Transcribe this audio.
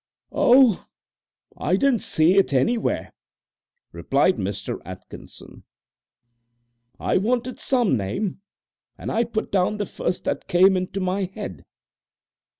"Oh, I didn't see it anywhere," replied Mr. Atkinson. "I wanted some name, and I put down the first that came into my head.